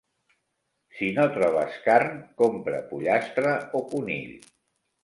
Si no trobes carn, compra pollastre o conill.